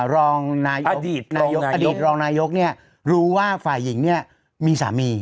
รองนายกอดีตรองนายกอดีตรองนายกเนี้ยรู้ว่าฝ่ายหญิงเนี้ยมีสามี